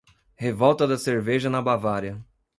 Revolta da Cerveja na Bavária